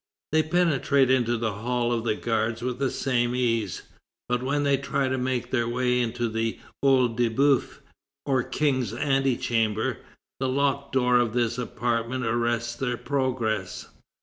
They penetrate into the Hall of the Guards with the same ease. But when they try to make their way into the OEil de Boeuf, or King's Antechamber, the locked door of this apartment arrests their progress.